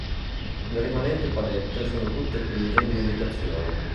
Le rimanenti palette sono tutte prive di indicazioni.